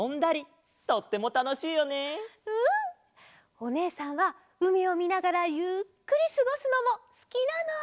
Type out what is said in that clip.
おねえさんはうみをみながらゆっくりすごすのもすきなの。